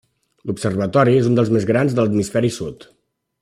L'observatori és un dels més grans de l'Hemisferi Sud.